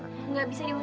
saya mau pergi ke rumah